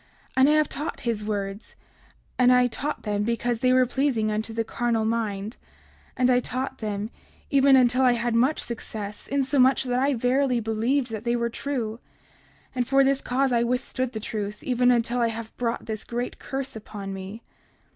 And I have taught his words; and I taught them because they were pleasing unto the carnal mind; and I taught them, even until I had much success, insomuch that I verily believed that they were true; and for this cause I withstood the truth, even until I have brought this great curse upon me.